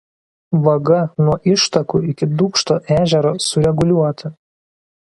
Vaga nuo ištakų iki Dūkšto ežero sureguliuota.